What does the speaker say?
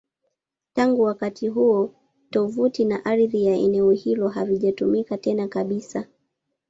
Tangu wakati huo, tovuti na ardhi ya eneo hilo havijatumika tena kabisa.